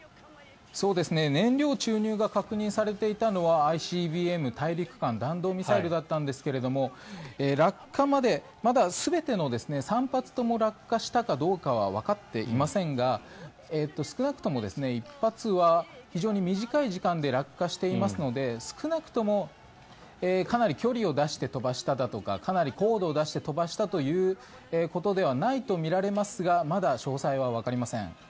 燃料注入が確認されていたのはＩＣＢＭ・大陸間弾道ミサイルだったんですが落下までまだ全ての３発とも落下したかどうかはわかっていませんが少なくとも１発は非常に短い時間で落下していますので少なくともかなり距離を出して飛ばしただとかかなり高度を出して飛ばしたということではないとみられますがまだ詳細はわかりません。